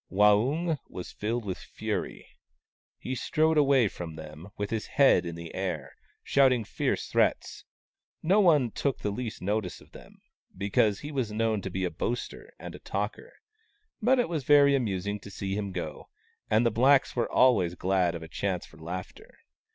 Waung was filled with fury. He strode away from them, with his head in the air, shouting fierce threats. No one took the least notice of them, because he was known to be a boaster and a talker ; but it was very amusing to see him go, and the blacks were always glad of a chance for laughter.